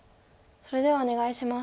それではお願いします。